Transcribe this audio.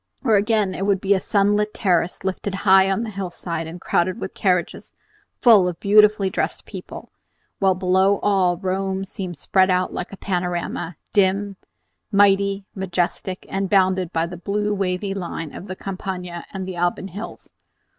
Or again it would be a sunlit terrace lifted high on a hillside, and crowded with carriages full of beautifully dressed people, while below all Rome seemed spread out like a panorama, dim, mighty, majestic, and bounded by the blue wavy line of the Campagna and the Alban hills.